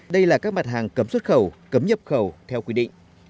đây là các mặt hàng cấm xuất khẩu cấm nhập khẩu theo quy định